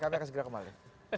karena akan segera kembali